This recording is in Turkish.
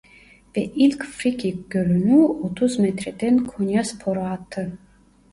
Ve ilk frikik golünü otuz metreden Konyaspor'a attı.